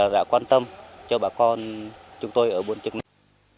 đã quan tâm cho bà con chúng tôi ở buôn trực năng